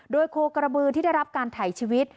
โดยโคกระบือที่ได้รับการถ่ายชีวิต